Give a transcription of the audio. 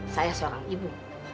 saya seorang ibu